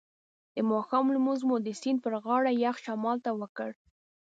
د ماښام لمونځ مو د سیند پر غاړه یخ شمال ته وکړ.